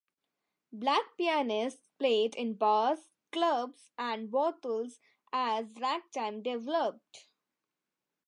Black pianists played in bars, clubs, and brothels, as ragtime developed.